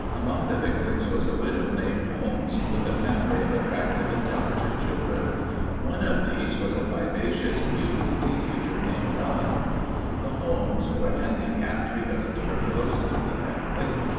Among the victims was a widow named Holmes with a family of attractive, intelligent children. One of these was a vivacious, beautiful teen ager named Helen. The Holmes were handicapped because of tuberculosis in the family.